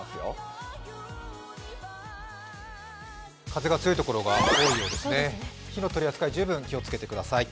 風が強い所が多いようです、火の取り扱い気をつけてください。